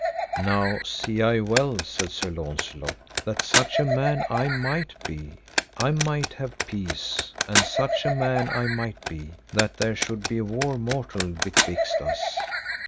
Now, see I well, said Sir Launcelot, that such a man I might be, I might have peace, and such a man I might be, that there should be war mortal betwixt us.